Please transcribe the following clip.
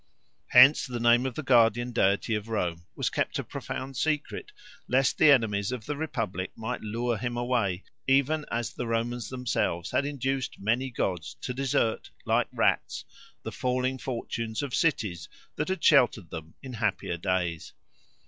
Hence the name of the guardian deity of Rome was kept a profound secret, lest the enemies of the republic might lure him away, even as the Romans themselves had induced many gods to desert, like rats, the falling fortunes of cities that had sheltered them in happier days.